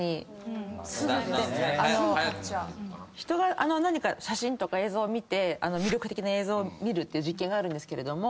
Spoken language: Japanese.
人が写真とか映像を見て魅力的な映像を見るっていう実験があるんですけれど。